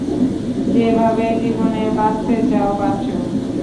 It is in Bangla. যেভাবে জীবনে বাঁচতে চাও বাঁচো।